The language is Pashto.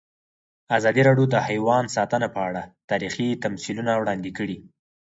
ازادي راډیو د حیوان ساتنه په اړه تاریخي تمثیلونه وړاندې کړي.